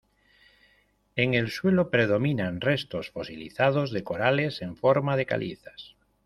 En el suelo predominan restos fosilizados de corales en forma de calizas.